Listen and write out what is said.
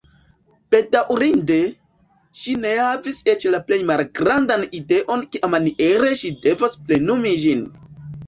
Bedaŭrinde, ŝi ne havis eĉ la plej malgrandan ideon kiamaniere ŝi devos plenumi ĝin.